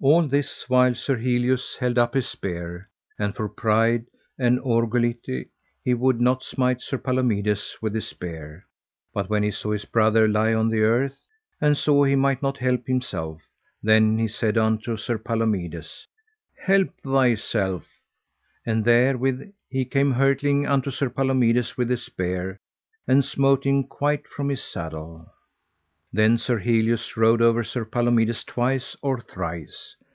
All this while Sir Helius held up his spear, and for pride and orgulité he would not smite Sir Palomides with his spear; but when he saw his brother lie on the earth, and saw he might not help himself, then he said unto Sir Palomides: Help thyself. And therewith he came hurtling unto Sir Palomides with his spear, and smote him quite from his saddle. Then Sir Helius rode over Sir Palomides twice or thrice.